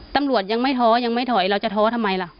ตำรวจยังไม่ท้อยังไม่ถอยเราจะท้อทำไมล่ะ